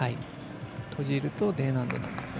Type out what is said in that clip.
閉じるとＤ難度になりますね。